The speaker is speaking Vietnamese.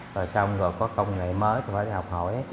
rồi có công nghệ mới thì phải học hỏi